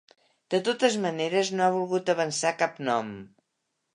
De totes maneres, no ha volgut avançar cap nom.